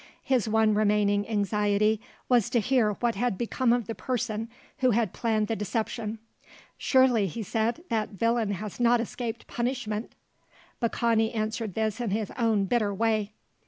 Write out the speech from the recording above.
His one remaining anxiety was to hear what had become of the person who had planned the deception. "Surely," he said, "that villain has not escaped punishment?" Baccani answered this in his own bitter way.